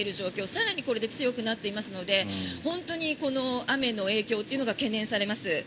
更にこれで強くなっていますので本当に雨の影響というのが懸念されます。